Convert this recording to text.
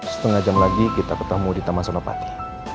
setengah jam lagi kita ketemu di taman sonopati